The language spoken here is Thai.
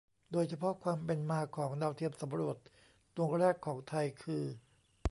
โดยเฉพาะความเป็นมาของดาวเทียมสำรวจดวงแรกของไทยคือ